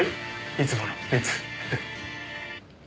いつもの３つ。